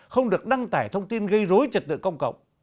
không được đăng tải thông tin gây rối trật tự công cộng